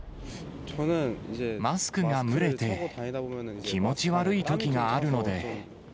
マスクが蒸れて気持ち悪いときがあるので。